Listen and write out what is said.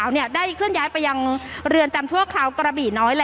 คุณผู้อาจอย่างใครได้เคลื่อนไยเอาไปที่เรือนจำทั่วคราวกระบิน้อย